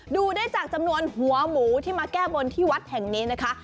ดูได้จากจำนวนหัวหมูที่มาแก้บนที่วัดแห่งนี้นะคะ